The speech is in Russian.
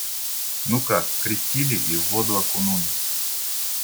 Ну как, крестили и в воду окунули.